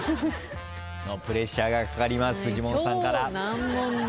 プレッシャーがかかりますフジモンさんから。